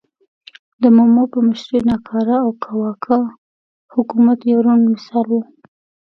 د مومو په مشرۍ ناکاره او کاواکه حکومت یو روڼ مثال و.